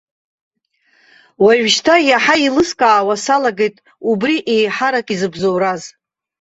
Уажәшьҭа иаҳа еилыскаауа салагеит убри еиҳарак изыбзоураз.